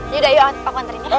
yaudah yuk aku anterin ya